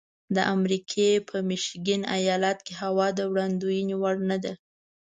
د امریکې په میشیګن ایالت کې هوا د وړاندوینې وړ نه ده.